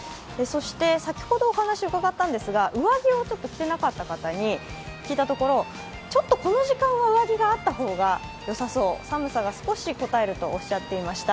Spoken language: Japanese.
先ほどお話を伺ったんですが、上着を着ていなかった方に聞いたところちょっとこの時間は上着があった方がよさそう、寒さが少しこたえるとおっしゃっていました。